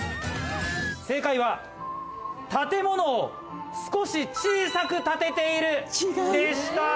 正解は建物を少し小さく建てているでした！